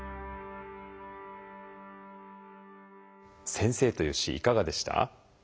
「先生」という詩いかがでした？